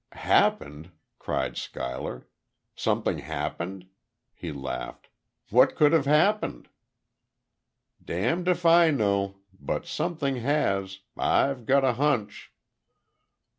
"Happened," cried Schuyler. "Something happened?" He laughed. "What could have happened?" "Damned if I know. But something has. I've got a hunch."